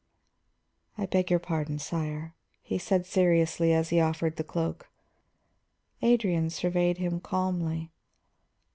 "I beg your pardon, sire," he said seriously, as he offered the cloak. Adrian surveyed him calmly.